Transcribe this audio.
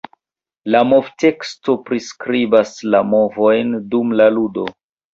La movteksto priskribas la movojn dum la ludo.